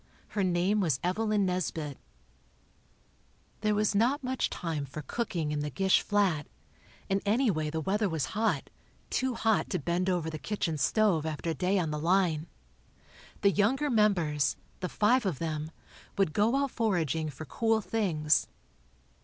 Her name was Evelyn Nesbit. There was not much time for cooking in the Gish flat, and anyway the weather was hot—too hot to bend over the kitchen stove after a day on the "line." The younger members, the five of them, would go out foraging for cool things.